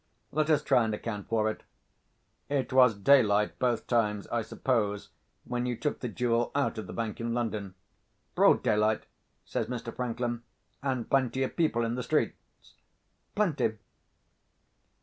Let us try and account for it. It was daylight, both times, I suppose, when you took the jewel out of the bank in London?" "Broad daylight," says Mr. Franklin. "And plenty of people in the streets?" "Plenty."